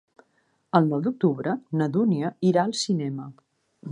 El nou d'octubre na Dúnia irà al cinema.